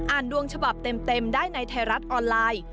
อ่านดวงฉบับเต็มได้ในไทรัศน์ออนไลน์